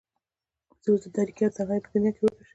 زه اوس د تاريکۍ او تنهايۍ په دنيا کې ورکه شوې يم.